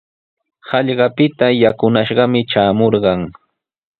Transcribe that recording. Hallqapita yakunashqami traamurqan.